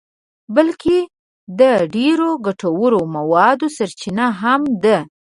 بلکه د ډېرو ګټورو موادو سرچینه هم ده.